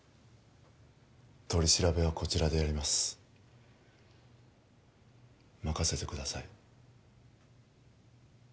取り調べはこちらでやります任せてください